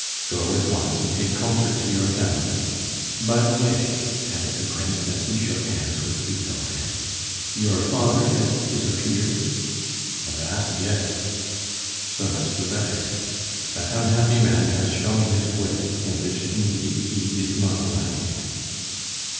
"Go at once, and take comfort to your family. By the way," added the Prince, as he shook hands with Victorin, "your father has disappeared?" "Alas! yes." "So much the better. That unhappy man has shown his wit, in which, indeed, he is not lacking."